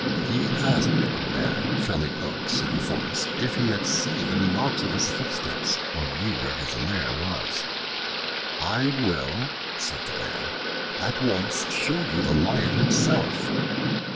He asked a man felling oaks in the forest if he had seen any marks of his footsteps or knew where his lair was. "I will," said the man, "at once show you the Lion himself."